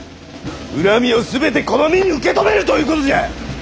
恨みを全てこの身に受け止めるということじゃ！